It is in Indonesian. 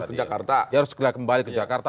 harus ke jakarta dia harus kembali ke jakarta